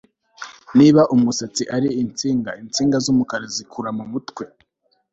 niba umusatsi ari insinga, insinga z'umukara zikura kumutwe